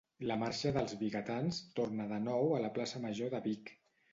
La Marxa dels Vigatans torna de nou a la plaça Major de Vic